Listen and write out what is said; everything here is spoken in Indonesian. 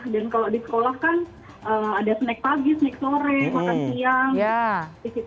dan kalau di sekolah kan ada snack pagi snack sore makan siang